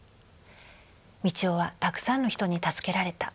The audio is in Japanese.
「道夫はたくさんの人に助けられた。